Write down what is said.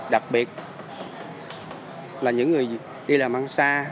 đặc biệt là những người đi làm ăn xa